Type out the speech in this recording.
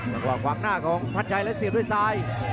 ระหว่างควากหน้าของพันชัยและเสียบด้วยสาย